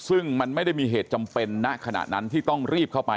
ซึ่งมันไม่ได้มีเหตุจำเป็นณขณะนั้นที่ต้องรีบเข้าไป